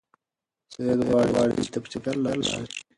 سعید غواړي چې کلي ته په چکر لاړ شي.